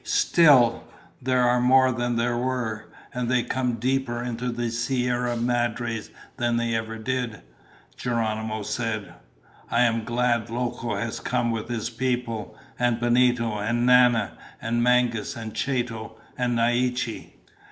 "Still, there are more than there were, and they come deeper into the Sierra Madres than they ever did," Geronimo said. "I am glad Loco has come with his people, and Benito, and Nana, and Mangas, and Chato, and Naiche."